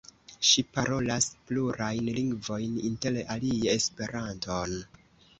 Ŝi parolas plurajn lingvojn inter alie Esperanton.